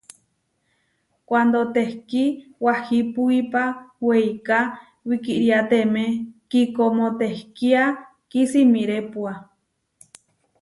Kuándo tehkí wahipuipa weiká wikíriateme kíkómo téhkia kísimirépua.